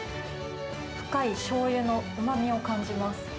深いしょうゆのうまみを感じます。